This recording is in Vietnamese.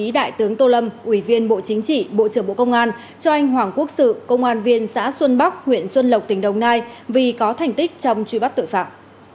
đại tướng tô lâm ủy viên bộ chính trị bộ trưởng bộ công an cho anh hoàng quốc sự công an viên xã xuân bắc huyện xuân lộc tỉnh đồng nai vì có thành tích trong truy bắt tội phạm